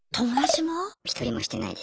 一人もしてないです。